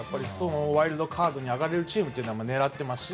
ワイルドカードに上がれるチームは狙っていますしね。